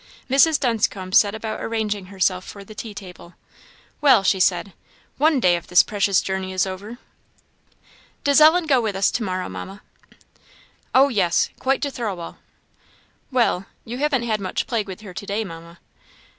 Mrs. Dunscombe set about arranging herself for the tea table. "Well!" she said "one day of this precious journey is over!" "Does Ellen go with us to morrow, Mamma?" "Oh, yes! quite to Thirlwall." "Well, you haven't had much plague with her to day, Mamma."